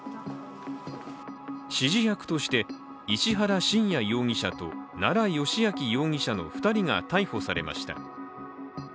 指示役として石原信也容疑者と奈良幸晃容疑者の２人が逮捕されました。